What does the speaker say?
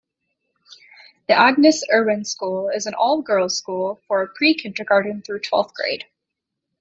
The Agnes Irwin School is an all-girls school for prekindergarten through twelfth grade.